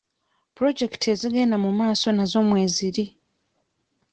Pulojekiti ezigenda mu maaso nazo mweziri.